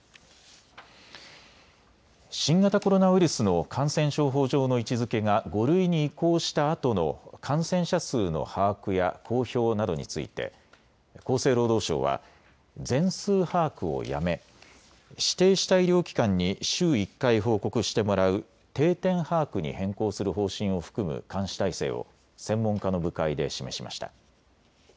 新型コロナウイルスの感染症法上の位置づけが５類に移行したあとの感染者数の把握や公表などについて厚生労働省は全数把握をやめ指定した医療機関に週１回報告してもらう定点把握に変更する方針を含む監視体制を専門家の部会で示しました。